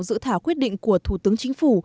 giữ thả quyết định của thủ tướng chính phủ